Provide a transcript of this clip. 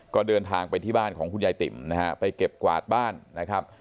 ก็เดินทางไปที่บ้านของคุณยายติ๋มนะฮะไปเก็บกวาดบ้านนะครับ